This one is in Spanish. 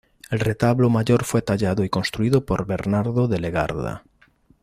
El retablo mayor fue tallado y construido por Bernardo de Legarda.